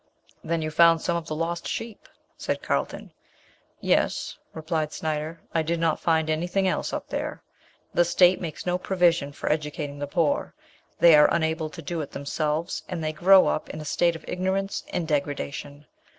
'" "Then you found some of the lost sheep," said Carlton. "Yes," replied Snyder, "I did not find anything else up there. The state makes no provision for educating the poor: they are unable to do it themselves, and they grow up in a state of ignorance and degradation.